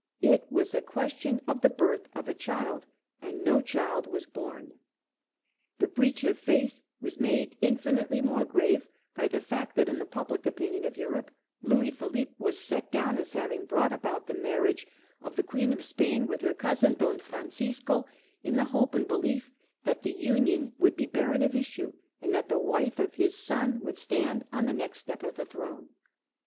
It was a question of the birth of a child, and no child was bom. The breach of faith was made infinitely more grave by the fact that in the public opinion of Europe Louis Philippe was set down as having brought about the marriage of the 1846. THE KING'S EXCUSE. 433 Queen of Spain with, her cousin Don Francisco in the hope and belief that the union would be barren of issue, and that the wife of his son would stand on the next step of the throne.